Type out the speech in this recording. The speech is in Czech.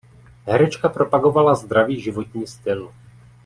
Herečka propagovala zdravý životní styl.